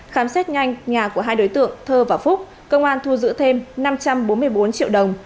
khám xét nhanh nhà của hai đối tượng thơ và phúc công an thu giữ thêm năm trăm bốn mươi bốn triệu đồng